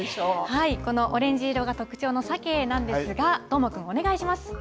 このオレンジ色が特徴のサケなんですが、どーもくん、お願いします。